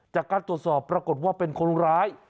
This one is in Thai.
จากการตรวจสอบปรากฏว่าเป็นคนร้าย